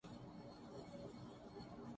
L P G کی قیمت میں روپے فی کلو اضافہ